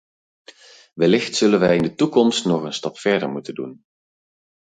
Wellicht zullen wij in de toekomst nog een stap verder moeten doen.